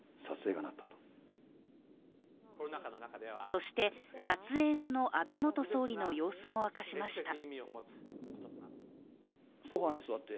そして、撮影後の安倍元総理の様子も明かしました。